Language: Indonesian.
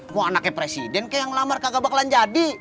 mau anaknya presiden ke yang melamar kagak bakalan jadi